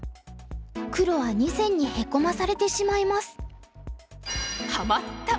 黒は２線にヘコまされてしまいます。